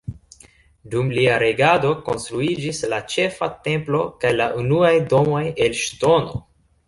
Dum lia regado konstruiĝis la Ĉefa Templo kaj la unuaj domoj el ŝtono.